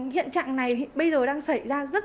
hiện trạng này bây giờ đang xảy ra rất là nhiều